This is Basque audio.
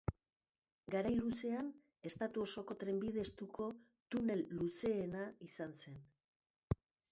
Garai luzean estatu osoko trenbide estuko tunel luzeena izan zen.